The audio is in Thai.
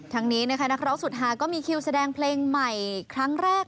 ทั้งนี้นะคะนักร้องสุดหาก็มีคิวแสดงเพลงใหม่ครั้งแรก